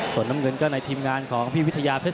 สอนน้ำเงินก็จะในทีมงานของพี่หวิทยาเทศ๔๐๐๐๐นะครับ